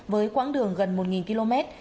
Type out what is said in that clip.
với quãng đường gần một km